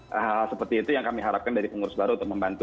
jadi hal hal seperti itu yang kami harapkan dari pengurus baru untuk membantu